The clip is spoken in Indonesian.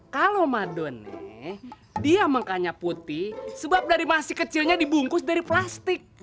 kalau mba done dia mengkanya putih sebab dari masih kecilnya dibungkus dari plastik